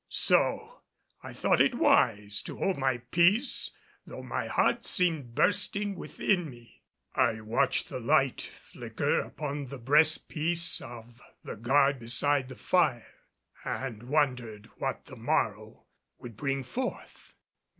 So I thought it wise to hold my peace, though my heart seemed bursting within me. I watched the light flicker upon the breastpiece of the guard beside the fire, and wondered what the morrow would bring forth.